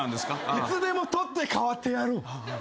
いつでも取って代わってやるわ。